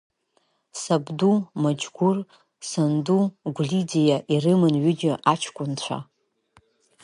Сабду Маџьгәыр, санду Гәлидиа, ирыман ҩыџьа аҷкәынцәа…